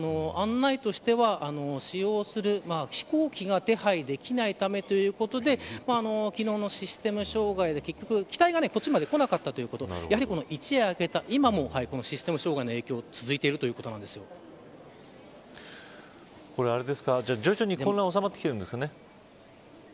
案内としては使用する飛行機が手配できないためということで昨日のシステム障害で結局機体がこちらまでこなかったということでやはり一夜明けた今もシステム障害の影響が続いているじゃあ徐々に混乱は収まってきてるんですかね。